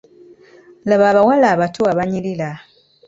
Laba abawala abato abanyirira.